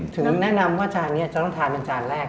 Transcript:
ฉันนั้นแนะนำว่าจานนี้จะต้องทนอันจานแรก